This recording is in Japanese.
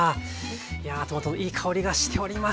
いやトマトのいい香りがしております。